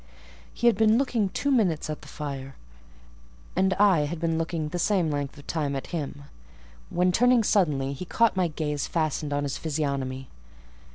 He had been looking two minutes at the fire, and I had been looking the same length of time at him, when, turning suddenly, he caught my gaze fastened on his physiognomy.